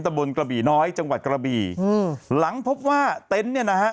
บนกระบี่น้อยจังหวัดกระบี่อืมหลังพบว่าเต็นต์เนี่ยนะฮะ